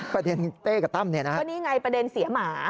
ประเด็นเต้กับตั้มนี่ไงประเด็นเสียหมา